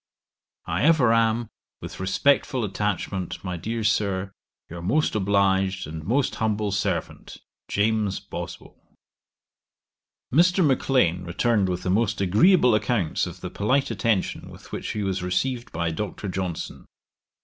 'I ever am with respectful attachment, my dear Sir, 'Your most obliged 'And most humble servant, 'JAMES BOSWELL.' Mr. Maclean returned with the most agreeable accounts of the polite attention with which he was received by Dr. Johnson.